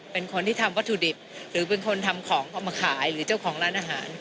เป็นคนที่ทำวัตถุดิบหรือเป็นคนทำของเอามาขายหรือเจ้าของร้านอาหาร